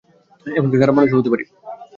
এমনকি খারাপ মানুষও হতে পারি।